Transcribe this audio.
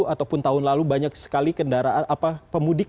ataupun tahun lalu banyak sekali kendaraan pemudik